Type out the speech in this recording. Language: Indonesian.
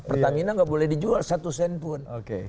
pertamina nggak boleh dijual satu sen pun